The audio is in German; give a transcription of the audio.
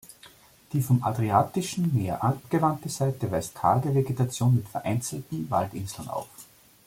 Die vom Adriatischen Meer abgewandte Seite weist karge Vegetation mit vereinzelten Waldinseln auf.